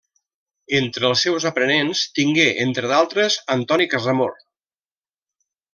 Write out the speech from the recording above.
Entre els seus aprenents tingué entre d'altres Antoni Casamor.